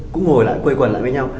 cũng ngồi lại quây quần lại với nhau